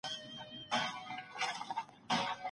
له نورو سره په نرمۍ خبري وکړئ.